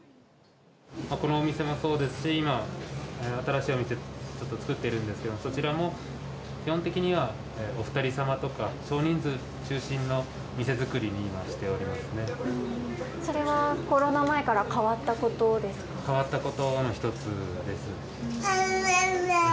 このお店もそうですし、今、新しいお店ちょっと作ってるんですが、そちらも基本的にはお２人様とか、少人数中心の店作りに今、しておそれはコロナ前から変わった変わったことの一つです。